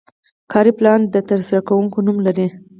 کاري پلان د ترسره کوونکي نوم لري.